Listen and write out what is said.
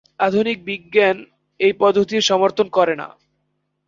আধুনিক বিজ্ঞান এই পদ্ধতি সমর্থন করে না।